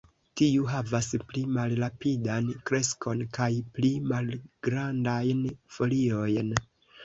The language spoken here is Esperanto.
Tiu havas pli malrapidan kreskon kaj pli malgrandajn foliojn.